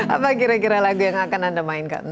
apa kira kira lagu yang akan anda mainkan